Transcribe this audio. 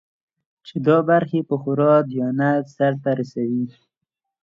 چې دا برخې په خورا دیانت سرته ورسوي.